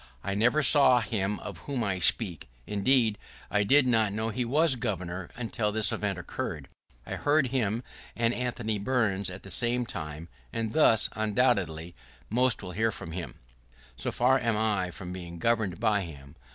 I never saw him of whom I speak; indeed, I did not know that he was Governor until this event occurred. I heard of him and Anthony Burns at the same time, and thus, undoubtedly, most will hear of him. So far am I from being governed by him.